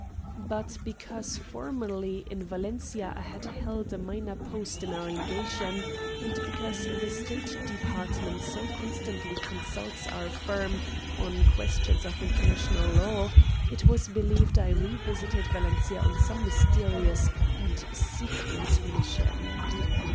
But, because, formerly in Valencia I had held a minor post in our legation, and because the State Department so constantly consults our firm on questions of international law, it was believed I revisited Valencia on some mysterious and secret mission.